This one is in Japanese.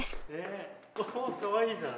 かわいいじゃん。